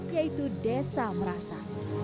yaitu desa merasa